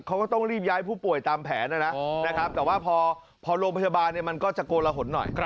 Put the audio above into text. เขาก็ต้องรีบย้ายผู้ป่วยตามแผนนะครับแต่ว่าพอโรงพยาบาลมันก็จะโกละหนหน่อย